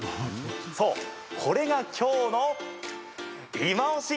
そう、これが今日のいまオシ！